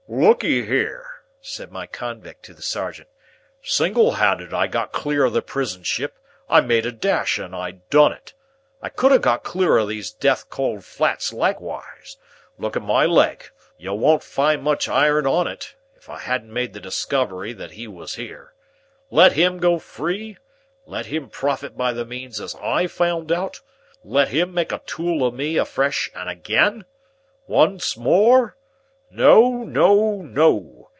"Lookee here!" said my convict to the sergeant. "Single handed I got clear of the prison ship; I made a dash and I done it. I could ha' got clear of these death cold flats likewise—look at my leg: you won't find much iron on it—if I hadn't made the discovery that he was here. Let him go free? Let him profit by the means as I found out? Let him make a tool of me afresh and again? Once more? No, no, no.